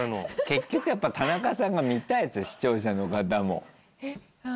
結局やっぱ田中さんが見たい視聴者の方も。